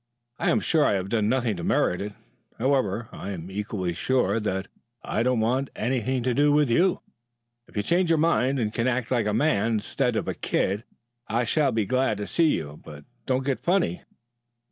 I am sure I have done nothing to merit it. However, I am equally sure that I don't want anything to do with you. If you change your mind and can act like a man, instead of a kid, I shall be glad to see you. But don't get funny.